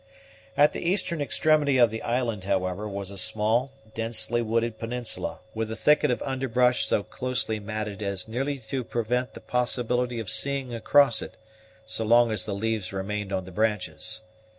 At the eastern extremity of the island, however, was a small, densely wooded peninsula, with a thicket of underbrush so closely matted as nearly to prevent the possibility of seeing across it, so long as the leaves remained on the branches.